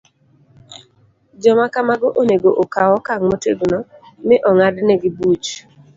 Joma kamago onego okaw okang ' motegno, mi ong'adnegi buch